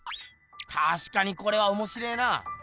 たしかにこれはおもしれえな。